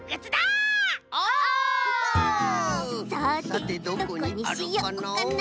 さてどこにしようかな？